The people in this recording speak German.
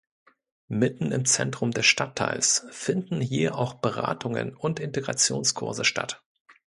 Mitten im Zentrum des Stadtteils finden hier auch Beratungen und Integrationskurse statt.